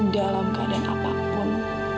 dalam keadaan apapun